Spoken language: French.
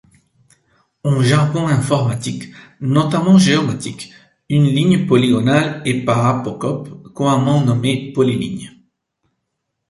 En jargon informatique, notamment géomatique, une ligne polygonale est par apocope couramment nommée polyligne.